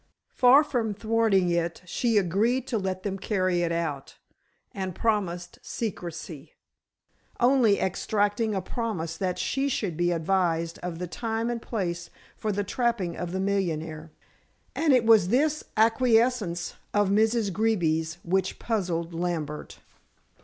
Far from thwarting it she agreed to let them carry it out, and promised secrecy, only extracting a promise that she should be advised of the time and place for the trapping of the millionaire. And it was this acquiescence of Miss Greeby's which puzzled Lambert.